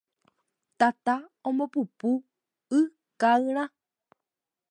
Tata ombopupu y ka'ayrã